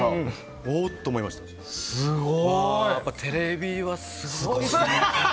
テレビはすごいですね。